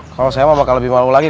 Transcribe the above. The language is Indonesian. kalau saya mau bakal lebih malu lagi